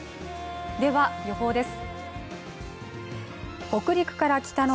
では予報です。